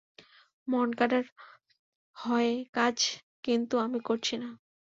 মনকাডার হয়ে কাজ কিন্তু আমি করছি না।